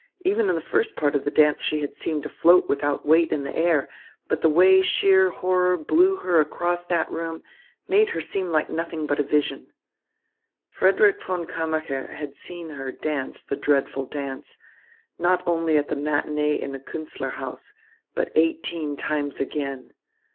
Even in the first part of the dance she had seemed to float without weight in the air; but the way sheer horror blew her across that room made her seem like nothing but a vision." Frederick von Kammacher had seen her dance the dreadful dance, not only at the matinée in the Künstlerhaus, but eighteen times again.